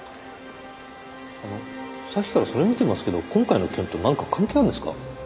あのさっきからそれ見てますけど今回の件となんか関係あるんですか？